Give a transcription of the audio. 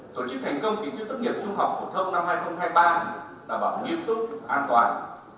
tổ chức thành công kỳ thiết tất nghiệp trung học phổ thông năm hai nghìn hai mươi ba đảm bảo nghiêm túc và an toàn